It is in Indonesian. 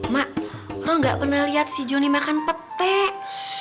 mak lu gak pernah liat si jonny makan petek